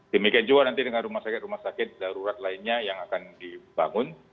demikian juga nanti dengan rumah sakit rumah sakit darurat lainnya yang akan dibangun